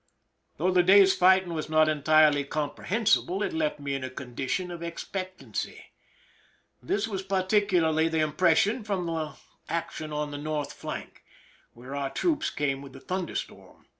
Though the day's fighting was not entirely com prehensible, it left me in a condition of expectancy. This was particularly the impression from the action on the north flank, where our troops came with the thunder storm.'